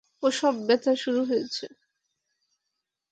প্রসব ব্যথা শুরু হয়েছে।